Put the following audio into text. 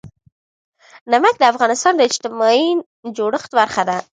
نمک د افغانستان د اجتماعي جوړښت برخه ده.